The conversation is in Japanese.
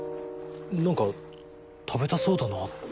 何か食べたそうだなって。